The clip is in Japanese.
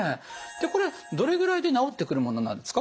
これどれぐらいで治ってくるものなんですか？